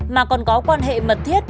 mà còn có quan hệ mật thiết